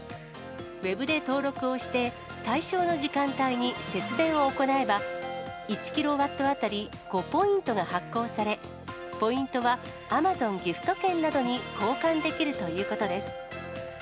ウェブで登録をして対象の時間帯に節電を行えば、１キロワット当たり５ポイントが発行され、ポイントはアマゾンギフト券などに交換できるということです。